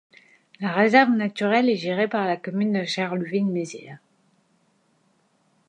La réserve naturelle est gérée par la commune de Charleville-Mézières.